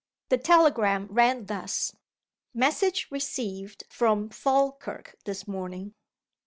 The telegram ran thus: "Message received from Falkirk this morning.